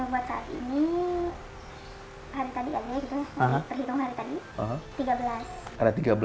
buat saat ini hari tadi ya hari tadi kita perhitung hari tadi